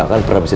aku mau pergi